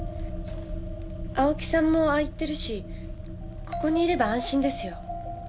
青木さんもああ言ってるしここにいれば安心ですよ。